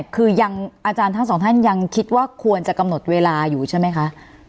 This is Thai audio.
คือยังอาจารย์ทั้งสองท่านยังคิดว่าควรจะกำหนดเวลาอยู่ใช่ไหมคะ